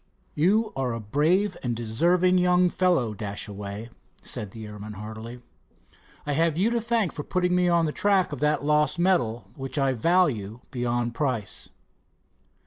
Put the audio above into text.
"You are a brave, deserving young fellow, Dashaway," said the airman heartily. "I have you to thank for putting me on the track of that lost medal, which I value beyond price."